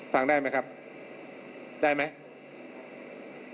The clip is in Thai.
ฟังได้ไหมครับได้ไหม